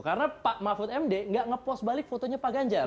karena pak mahfud md gak ngepost balik fotonya pak ganjar